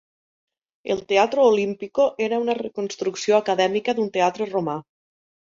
El Teatro Olimpico era una reconstrucció acadèmica d'un teatre romà.